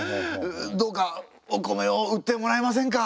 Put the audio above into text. どうかお米を売ってもらえませんか？